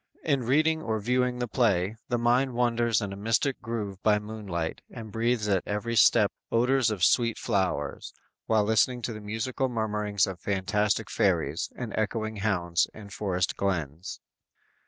In reading or viewing the play, the mind wanders in a mystic grove by moonlight and breathes at every step odors of sweet flowers, while listening to the musical murmurings of fantastic fairies and echoing hounds in forest glens.